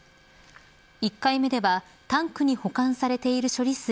１回目ではタンクに保管されている処理水